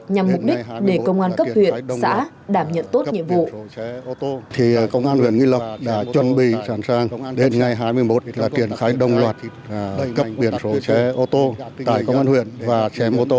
nhằm mục đích để công an cấp huyện xã đảm nhận tốt nhiệm vụ